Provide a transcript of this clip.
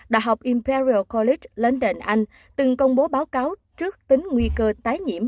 đại học imperial college london anh từng công bố báo cáo trước tính nguy cơ tái nhiễm